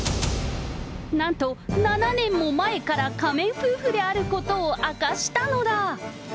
なんと、７年も前から仮面夫婦であることを明かしたのだ。